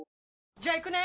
じゃあ行くね！